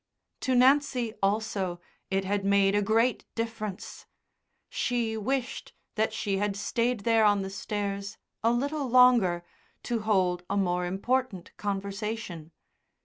To Nancy also it had made a great difference. She wished that she had stayed there on the stairs a little longer to hold a more important conversation.